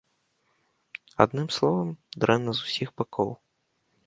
Адным словам, дрэнна з усіх бакоў.